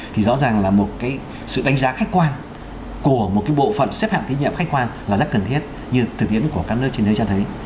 thì rõ ràng là một cái sự đánh giá khách quan của một cái bộ phận xếp hạng tín nhiệm khách quan là rất cần thiết như thực tiễn của các nước trên thế giới cho thấy